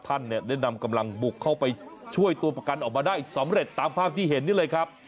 ท่านเนี่ยได้นำกำลังบุกเข้าไปช่วยตัวประกันออกมาได้สำเร็จตามภาพที่เห็นนี่เลยครับ